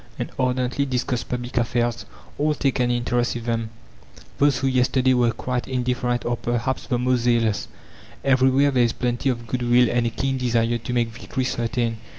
and ardently discuss public affairs. All take an interest in them; those who yesterday were quite indifferent are perhaps the most zealous. Everywhere there is plenty of good will and a keen desire to make victory certain.